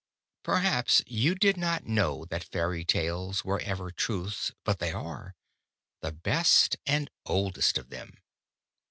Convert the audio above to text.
Perhaps you did not know that fairy tales were ever truths, but they are—the best and oldest of them.